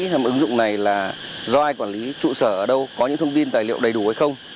xem ứng dụng này là do ai quản lý trụ sở ở đâu có những thông tin tài liệu đầy đủ hay không